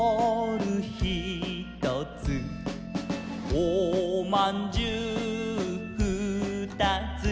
「おまんじゅうふーたつ」